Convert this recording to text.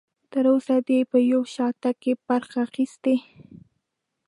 تر اوسه دې په یو شاتګ کې برخه اخیستې؟